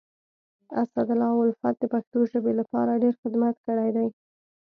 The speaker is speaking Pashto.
اسدالله الفت د پښتو ژبي لپاره ډير خدمت کړی دی.